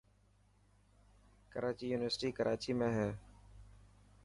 ڪراچي يونيورسٽي ڪراچي ۾ هي.